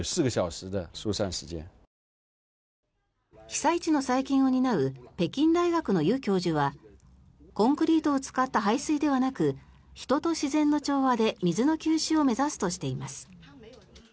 被災地の再建を担う北京大学のユ教授はコンクリートを使った排水ではなく人と自然の調和で水の吸収を目指すとしています。